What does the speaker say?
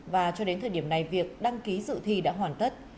và cho đến thời điểm này việc đăng ký dự thi đã hoàn tất